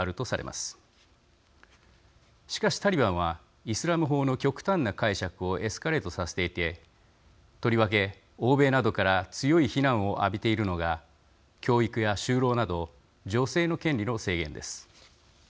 しかしタリバンはイスラム法の極端な解釈をエスカレートさせていてとりわけ欧米などから強い非難を浴びているのが教育や就労など女性の権利の制限です。